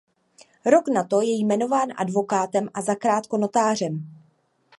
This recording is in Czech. Rok na to je jmenován advokátem a zakrátko notářem.